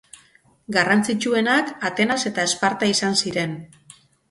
Garrantzitsuenak Atenas eta Esparta izan ziren.